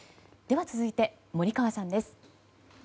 では続いて、森川さんです。